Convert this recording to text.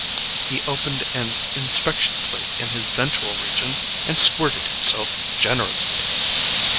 He opened an inspection plate in his ventral region and squirted himself generously.